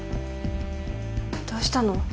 どうしたの？